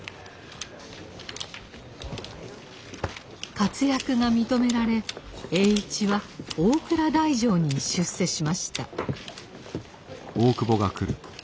活躍が認められ栄一は大蔵大丞に出世しました。